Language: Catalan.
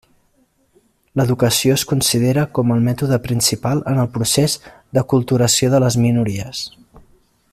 L'educació es considera com el mètode principal en el procés d'aculturació de les minories.